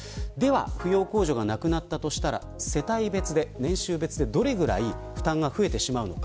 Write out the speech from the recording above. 扶養控除がなくなったとしたら世帯別で、年収別でどれくらい負担が増えてしまうのか。